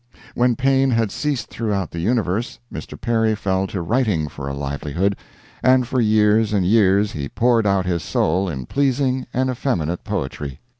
When pain had ceased throughout the universe Mr. Perry fell to writing for a livelihood, and for years and years he poured out his soul in pleasing and effeminate poetry.